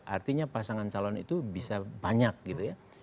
artinya pasangan calon itu bisa banyak gitu ya